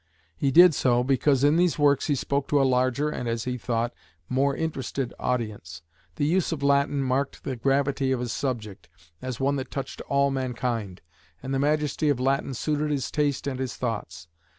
He did so, because in these works he spoke to a larger and, as he thought, more interested audience; the use of Latin marked the gravity of his subject as one that touched all mankind; and the majesty of Latin suited his taste and his thoughts.